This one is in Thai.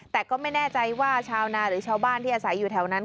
แต่ก็ไม่แน่ใจว่าชาวนาหรือชาวบ้านที่อาศัยอยู่แถวนั้น